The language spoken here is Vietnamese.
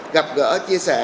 gặp gỡ chia sẻ